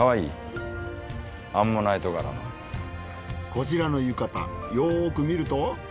こちらの浴衣よく見ると。